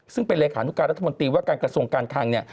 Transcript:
ซึ่งเป็นรัฐมนตรีว่าการกระทรวงการคัง